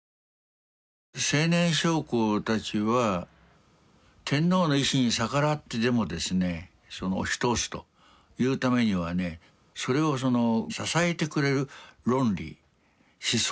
青年将校たちは天皇の意志に逆らってでもですね押し通すというためにはねそれを支えてくれる論理思想が欲しいわけです。